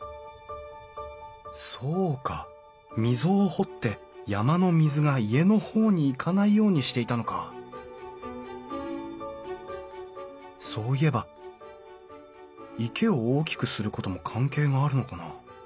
そうか溝を掘って山の水が家の方に行かないようにしていたのかそういえば池を大きくすることも関係があるのかな？